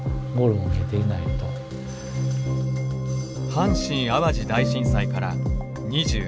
阪神・淡路大震災から２８年。